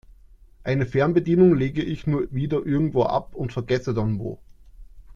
Eine Fernbedienung lege ich nur wieder irgendwo ab und vergesse dann wo.